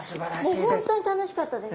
もう本当に楽しかったです。